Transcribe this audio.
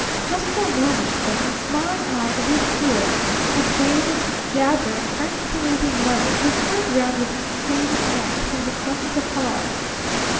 Just for a moment, then, his smiling eyes reassured the jaded, jabbering French Canadian mother, who turned round with craning neck from the front of the car.